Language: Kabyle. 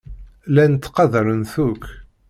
Llan ttqadaren-t akk.